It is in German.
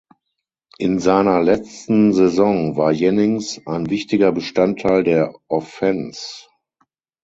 In seiner letzten Saison war Jennings ein wichtiger Bestandteil der Offense.